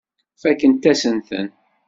Fakkent-asen-ten.